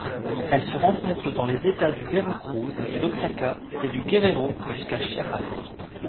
Elle se rencontre dans les États du Veracruz, d'Oaxaca, et du Guerrero jusqu'au Chiapas.